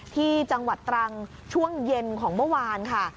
ที่จังหวัดตรังช่วงเย็นของเมื่อวานค่ะ